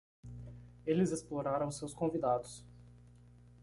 Eles exploraram seus convidados.